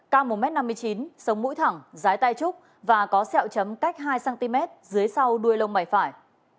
cam một m năm mươi chín sống mũi thẳng dái tay trúc và có xẹo chấm cách hai cm dưới sau đuôi lông bày phải